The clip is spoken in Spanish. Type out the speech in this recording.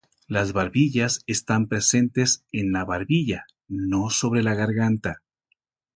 Las barbillas están presentes en la barbilla, no sobre la garganta.